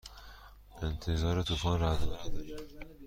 انتظار طوفان رعد و برق داریم.